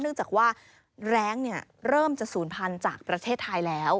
เนื่องจากว่าแรงเริ่มจะศูนย์พันธุ์จากประเทศไทยแล้ว